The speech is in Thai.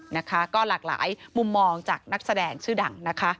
นะคะก็หลากหลายมุมมองจากนักแสดงชื่อดังนะคะ